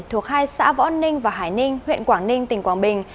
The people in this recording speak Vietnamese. thuộc hai xã võ ninh và hải ninh huyện quảng ninh tỉnh quảng bình